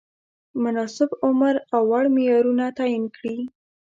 مناسب عمر او وړ معیارونه تعین کړي.